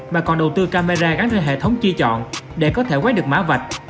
mà còn đầu tư camera gắn trên hệ thống chi chọn để có thể quét được má vạch